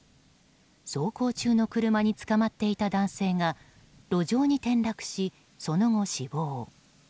走行中の車につかまっていた男性が路上に転落しその後、死亡。